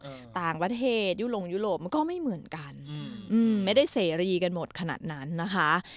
ต่างประเทศยุโรปยุโรปมันก็ไม่เหมือนกันอืมอืมไม่ได้เสรีกันหมดขนาดนั้นนะคะ